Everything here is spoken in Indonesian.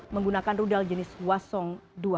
menggunakan rudal jenis hwasong dua belas